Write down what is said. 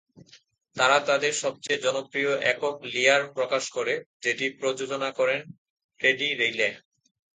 তারা তাদের সবচেয়ে জনপ্রিয় একক "লিয়ার" প্রকাশ করে, যেটি প্রযোজনা করেন টেডি রিলে।